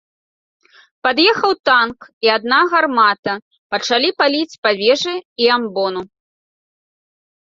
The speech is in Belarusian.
Пад'ехаў танк і адна гармата, пачалі паліць па вежы і амбону.